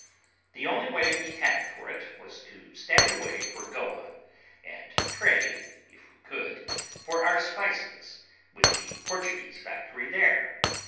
The only way we had for it was to stand away for Goa, and trade, if we could, for our spices, with the Portuguese factory there.